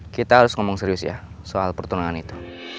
kita harus ngomong serius ya soal pertunangan itu